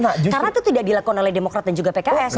karena itu tidak dilakukan oleh demokrat dan juga pks